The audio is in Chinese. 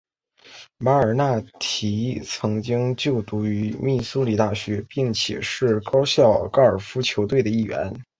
马尔纳提曾经就读于密苏里大学并且是学校高尔夫球队的一员。